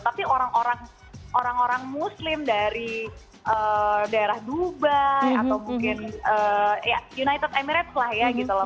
tapi orang orang muslim dari daerah dubai atau mungkin ya united emirates lah ya gitu loh